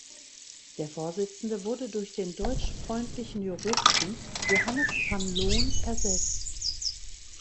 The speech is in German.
Der Vorsitzende wurde durch den deutschfreundlichen Juristen Johannes van Loon ersetzt.